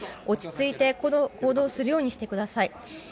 落ち着いて行動するようにしてください。